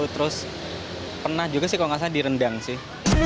terus pernah juga sih kalau nggak salah direndang sih